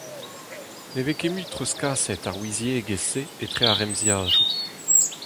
Ne vez ket mui treuzkaset ar ouiziegezh-se etre ar remziadoù.